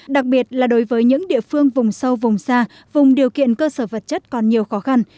đặc biệt là đối với những địa phương vùng sâu vùng xa vùng điều kiện cơ sở vật chất còn nhiều khó khăn